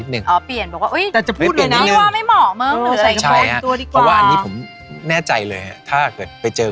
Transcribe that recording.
หุ้ยตั๊บหน้าอะไรเหรอ